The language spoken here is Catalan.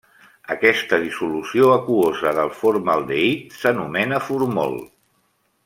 Aquesta dissolució aquosa del formaldehid s'anomena Formol.